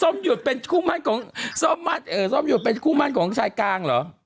หยุดเป็นคู่มั่นของส้มหยุดเป็นคู่มั่นของชายกลางเหรอ